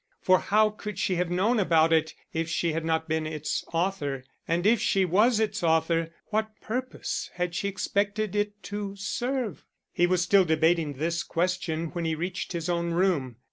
For how could she have known about it if she had not been its author, and if she was its author, what purpose had she expected it to serve? He was still debating this question when he reached his own room.